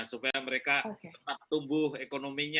supaya mereka tetap tumbuh ekonominya